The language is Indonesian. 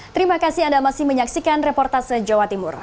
terima kasih anda masih menyaksikan reportase jawa timur